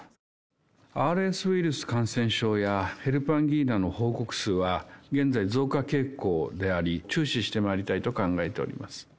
ＲＳウイルス感染症やヘルパンギーナの報告数は、現在増加傾向であり、注視してまいりたいと考えております。